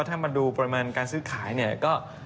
ถ้ามาดูปริมาณการซื้อขายเนี่ยก็